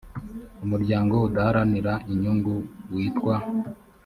umuryango udaharanira inyungu witwa